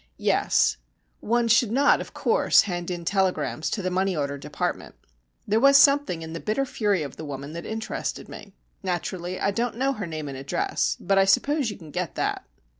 "Yes. One should not, of course, hand in telegrams to the money order department. There was something in the bitter fury of the woman that interested me. Naturally, I don't know her name and address, but I suppose you can get that."